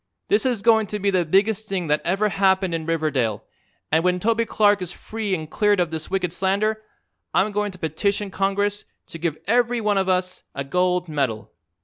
This is goin' to be the biggest thing that ever happened in Riverdale and when Toby Clark is free and cleared of this wicked slander I'm going to petition Congress to give every one of us a gold medal.